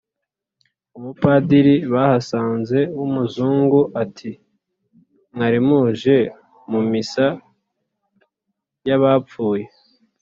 Umupadiri bahasanze w' umuzungu ati: "Mwari muje mu Misa y' abapfuye?